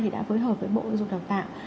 đã phối hợp với bộ dục đào tạo